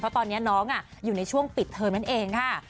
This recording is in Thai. ตอนนี้น้องอยู่ในช่วงปิดเทอมนั่นเองค่ะ